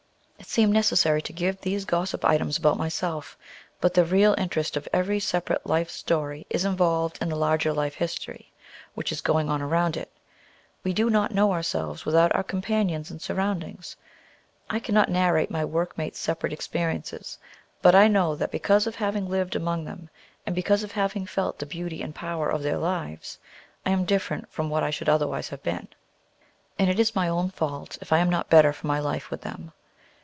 It seemed necessary to give these gossip items about myself; but the real interest of every separate life story is involved in the larger life history which is going on around it. We do not know ourselves without our companions and surroundings. I cannot narrate my workmates' separate experiences, but I know that because of having lived among them, and because of having felt the beauty and power of their lives, I am different from what I should otherwise have been, and it is my own fault if I am not better for my life with them.